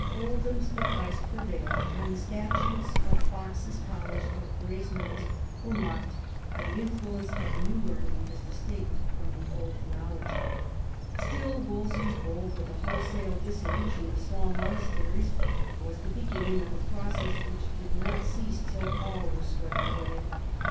Oldham's advice 142 THOMAS WOLSEY , chap. prevailed, and the statutes of Fox's college of Brasenose were marked by the influence of the new learning as distinct from the old theology. Still Wolsey's bull for the wholesale dissolution of small monasteries was the beginning of a process which did not cease till all were swept away.